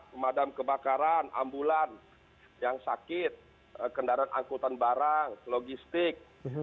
pemadam kebakaran ambulan yang sakit kendaraan angkutan barang logistik